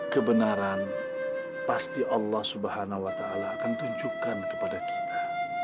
kebenaran pasti allah subhanahu wa ta'ala akan tunjukkan kepada kita